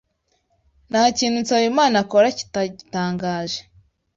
Nta kintu Nsabimana akora kitagitangaje.